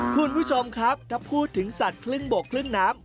คุณผู้ชมครับถ้าพูดถึงสัตว์ครึ่งบกครึ่งน้ำ